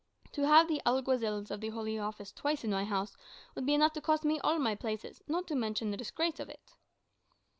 To have the Alguazils of the Holy Office twice in my house would be enough to cost me all my places, not to mention the disgrace of it."